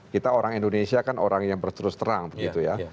kita orang indonesia kan orang yang berterus terang begitu ya